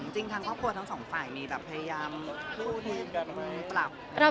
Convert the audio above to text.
จริงทางครอบครัวทั้งสองฝ่ายมีพยายามมีคนเจอกันไหม